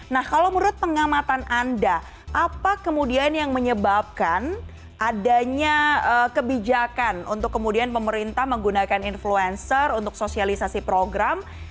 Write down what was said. nah kalau menurut pengamatan anda apa kemudian yang menyebabkan adanya kebijakan untuk kemudian pemerintah menggunakan influencer untuk sosialisasi program